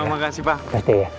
terima kasih pak